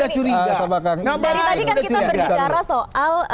nah dari tadi kan kita berbicara soal